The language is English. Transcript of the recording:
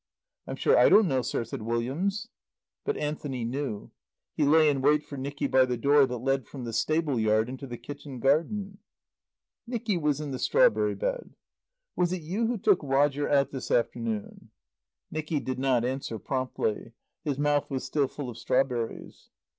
"I'm sure I don't know, sir," said Williams. But Anthony knew. He lay in wait for Nicky by the door that led from the stable yard into the kitchen garden. Nicky was in the strawberry bed. "Was it you who took Roger out this afternoon?" Nicky did not answer promptly. His mouth was still full of strawberries.